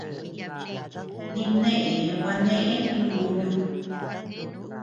Nimnéʼë gua néʼe jinguyu.